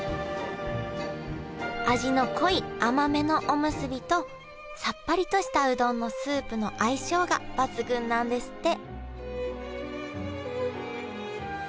味の濃い甘めのおむすびとさっぱりとしたうどんのスープの相性が抜群なんですって